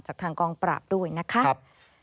ทางกองปราบด้วยนะครับ